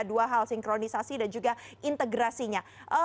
dua hal sinkronisasi dan juga integrasinya